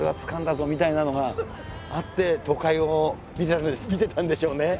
みたいなのがあって都会を見てたんでしょうね。